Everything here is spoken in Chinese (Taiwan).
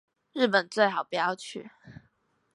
日本最好不要去